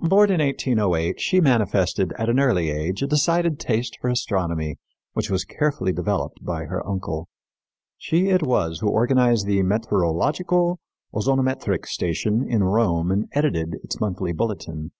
Born in 1808, she manifested at an early age a decided taste for astronomy, which was carefully developed by her uncle. She it was who organized the Meteorologico Ozonometric station in Rome and edited its monthly bulletin.